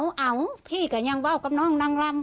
เอาพี่ก็ยังว่าวกับน้องนางลำ